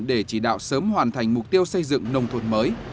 để chỉ đạo sớm hoàn thành mục tiêu xây dựng nông thôn mới